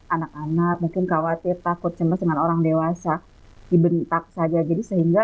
anak anak mungkin khawatir takut dengan orang dewasa dibentak saja